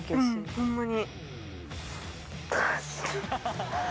ホンマに。